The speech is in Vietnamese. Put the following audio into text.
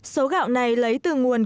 số gạo này lấy từ nguồn